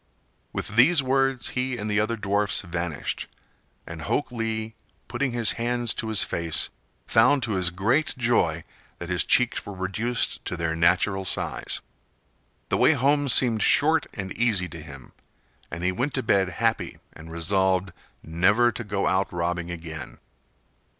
With these words he and the other dwarfs vanished, and Hok Lee, putting his hands to his face, found to his great joy that his cheeks were reduced to their natural size. The way home seemed short and easy to him, and he went to bed happy and resolved never to go out robbing again.